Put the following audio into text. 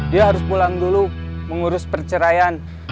dia harus pulang dulu mengurus perceraian